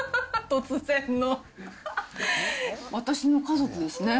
突然の、私の家族ですね。